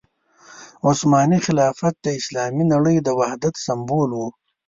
عثماني خلافت د اسلامي نړۍ د وحدت سمبول وو.